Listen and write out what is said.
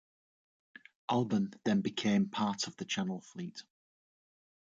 "Albion" then became part of the Channel Fleet.